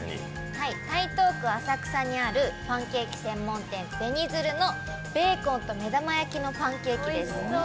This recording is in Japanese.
台東区浅草にあるパンケーキ専門店、紅鶴の、ベーコンと目玉焼きのパンケーキです。